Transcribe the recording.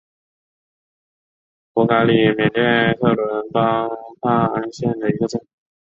博嘎里缅甸克伦邦帕安县的一个镇。